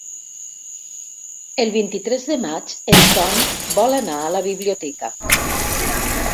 El vint-i-tres de maig en Ton vol anar a la biblioteca.